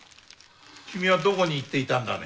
君はどこに行っていたんだね？